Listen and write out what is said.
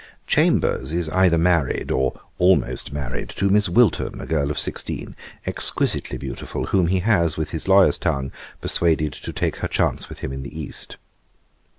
'Chambers is either married, or almost married, to Miss Wilton, a girl of sixteen, exquisitely beautiful, whom he has, with his lawyer's tongue, persuaded to take her chance with him in the East.